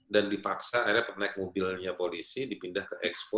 dan dipaksa akhirnya penaik mobilnya polisi dipindah ke ekspo